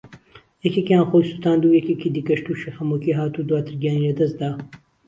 یەکێکیان خۆی سوتاند و یەکێکی دیکەش تووشی خەمۆکی هات و دواتر گیانی لەدەستدا